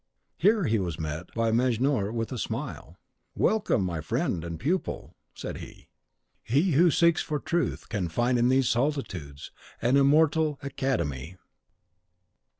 Here he was met by Mejnour with a smile. "Welcome, my friend and pupil," said he: "he who seeks for Truth can find in these solitudes an immortal Academe."